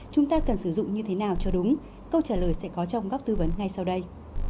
chúng ta cần sử dụng như thế nào cho đúng câu trả lời sẽ có trong góc tư vấn ngay sau đây